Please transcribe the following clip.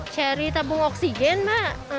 cari tabung oksigen pak